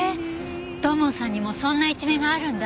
土門さんにもそんな一面があるんだ。